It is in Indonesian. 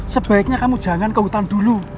sebaiknya kamu jangan ke hutan dulu